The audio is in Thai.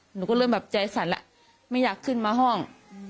หนูก็เริ่มแบบใจสั่นแล้วไม่อยากขึ้นมาห้อง